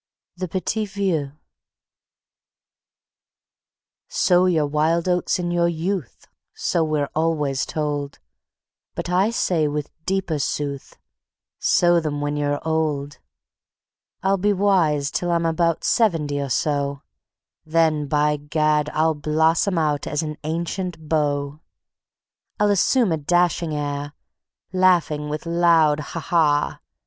The Petit Vieux "Sow your wild oats in your youth," so we're always told; But I say with deeper sooth: "Sow them when you're old." I'll be wise till I'm about seventy or so: Then, by Gad! I'll blossom out as an ancient beau. I'll assume a dashing air, laugh with loud Ha! ha!